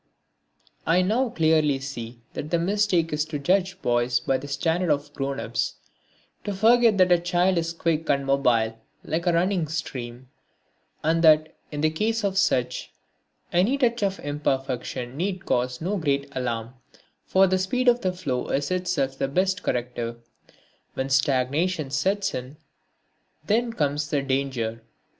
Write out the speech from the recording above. I now clearly see that the mistake is to judge boys by the standard of grown ups, to forget that a child is quick and mobile like a running stream; and that, in the case of such, any touch of imperfection need cause no great alarm, for the speed of the flow is itself the best corrective. When stagnation sets in then comes the danger.